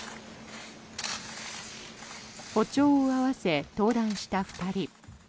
歩調を合わせ、登壇した２人。